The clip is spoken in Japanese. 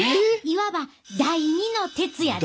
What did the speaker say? いわば第二の鉄やで！